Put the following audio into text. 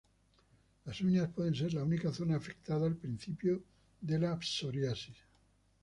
Las uñas pueden ser la única zona afectada al principio de la psoriasis.